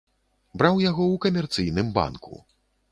Браў яго ў камерцыйным банку.